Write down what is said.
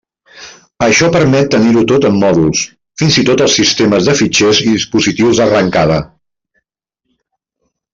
Això permet tenir-ho tot en mòduls, fins i tot els sistemes de fitxers i dispositius d'arrencada.